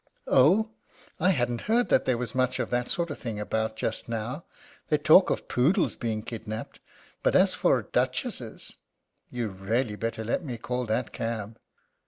"Oh! I hadn't heard that there was much of that sort of thing about just now. They talk of poodles being kidnapped, but as for duchesses You'd really better let me call that cab."